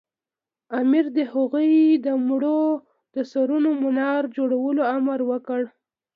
امیر د هغوی د مړو د سرونو منار جوړولو امر وکړ.